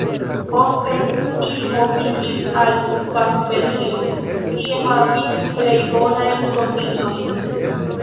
Poste ili moviĝis al Kartvelio, kie havis plej bonajn kondiĉojn.